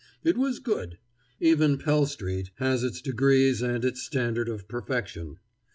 It was good. Even Pell street has its degrees and its standard of perfection.